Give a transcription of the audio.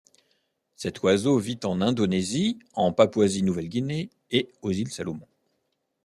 Cet oiseau vit en Indonésie, en Papouasie-Nouvelle-Guinée et aux îles Salomon.